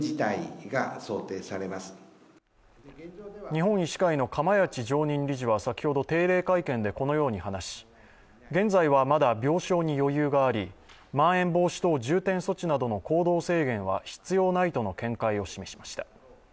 日本医師会の釜萢常任理事は先ほど定例会見でこのように話し、現在はまだ病床に余裕がありまん延防止等重点措置などの行動制限は必要ないとの見解を示しました。